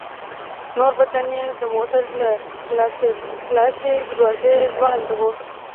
نور بدن يې د موټر له خلاصې دروازې ځوړند و.